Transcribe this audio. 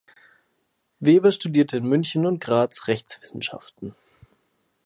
Weber studierte in München und Graz Rechtswissenschaften.